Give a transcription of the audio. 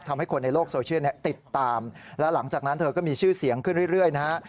ทำให้คนในโลกโซเชียลติดตามแล้วหลังจากนั้นเธอก็มีชื่อเสียงขึ้นเรื่อยนะฮะ